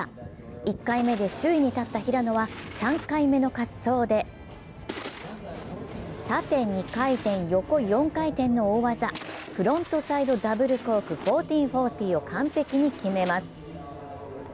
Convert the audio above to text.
１回目で首位に立った平野は３回目の滑走で縦２回転、横４回転の大技フロントサイドダブルコーク１４４０を完璧に決めます。